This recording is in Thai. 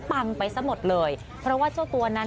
ไปซะหมดเลยเพราะว่าเจ้าตัวนั้น